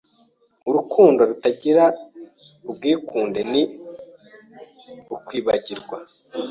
Urukundo rutagira ubwikunde ni ukwibagirwa.